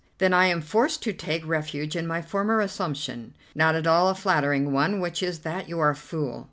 "Then I am forced to take refuge in my former assumption, not at all a flattering one, which is that you're a fool."